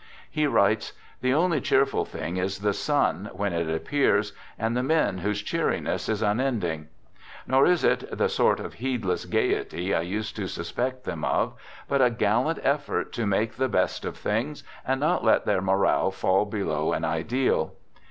He writes: " The only cheer ful thing is the sun, when it appears, and the men whose cheeriness is unending." Nor is it " the sort of heedless gayety I used to suspect them of, but a gallant effort to make the best of things, and not let their morale fall below an ideal."